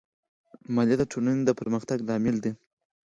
مالیه د ټولنې د پرمختګ لامل دی.